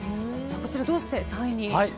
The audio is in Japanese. こちら、どうして３位に？